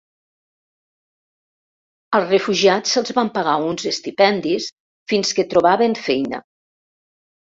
Als refugiats se'ls van pagar uns estipendis fins que trobaven feina.